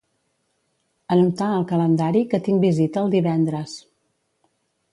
Anotar al calendari que tinc visita el divendres.